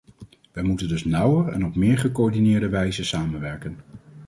Wij moeten dus nauwer en op meer gecoördineerde wijze samenwerken.